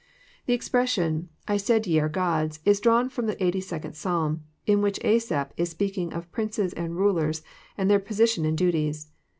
The expression, " I said ye are gods," is drawn fVom the 82d Psalm, in which Asaph is speaking of princes and rulers, and their position and duties.